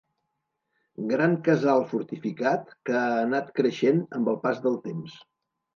Gran casal fortificat que ha anat creixent amb el pas del temps.